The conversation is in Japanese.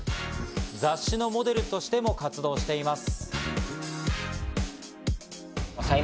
雑誌のモデルとしても活動しています。